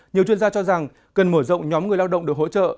nhiều chuyên gia cho rằng cần mở rộng nhóm người lao động được hỗ trợ